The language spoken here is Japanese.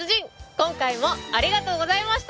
今回もありがとうございました！